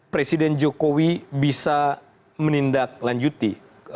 presiden jokowi bisa menindak lanjuti